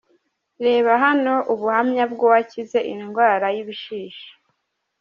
Reba hano ubuhamya bw’uwakize indwara y’ibishishi:.